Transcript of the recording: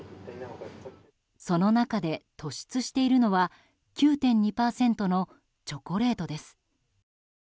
その中で突出しているのは９．２％のチョコレートです。